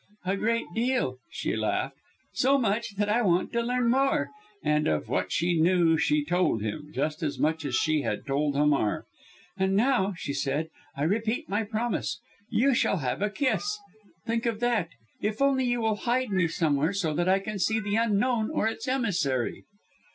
"A great deal," she laughed, "so much that I want to learn more" and of what she knew she told him, just as much as she had told Hamar. "And now," she said, "I repeat my promise you shall have a kiss think of that if only you will hide me somewhere so that I can see the Unknown or its emissary."